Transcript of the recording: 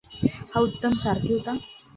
हा उत्तम सारथी होता.